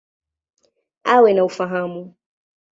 Awe na ufahamu.